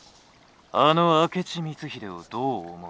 「あの明智光秀をどう思う？」。